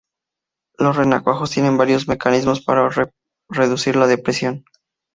Los renacuajos tienen varios mecanismos para reducir la depresión.